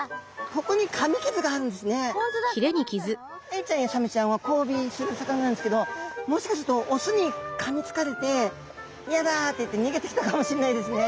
エイちゃんやサメちゃんはこうびする魚なんですけどもしかするとオスにかみつかれて「ヤダ！」っていって逃げてきたかもしんないですね。